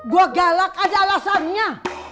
gua galak aja alasannya